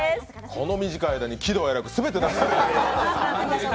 この短い間に喜怒哀楽全て出してもらいました。